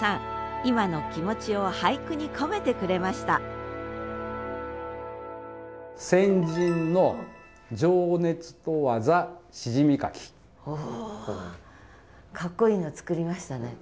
今の気持ちを俳句に込めてくれましたおかっこいいの作りましたね。